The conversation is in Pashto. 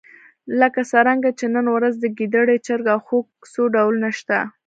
لکه څرنګه چې نن ورځ د ګېدړې، چرګ او خوګ څو ډولونه شته.